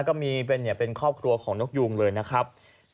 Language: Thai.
ก็มีเป็นครอบครัวของนกยูงเลยนะครับ